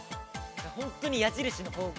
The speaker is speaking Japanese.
本当に矢印の方向。